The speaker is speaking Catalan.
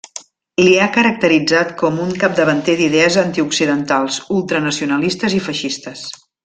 L'hi ha caracteritzat com un capdavanter d'idees antioccidentals, ultranacionalistes i feixistes.